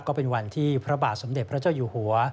ก็เป็นวันที่พระบาทสมเด็จพระเจ้าอยู่หัว